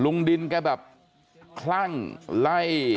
ลุงดินแกแบบคลั่งไล่